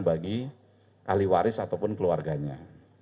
bagi ahli waris ataupun keluarganya